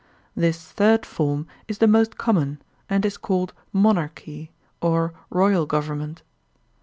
This third form is the most com mon, and is called monarchy, or royal government.